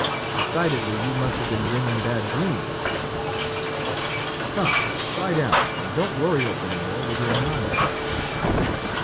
"Decidedly you must have been dreaming bad dreams," said the huntsman. "Come, lie down, and don't worry us any more with your nonsense."